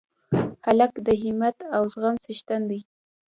هلک د همت او زغم څښتن دی.